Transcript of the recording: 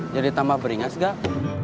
jadi tambah beringas gak